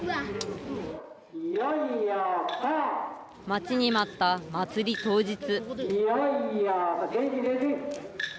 待ちに待った祭り当日。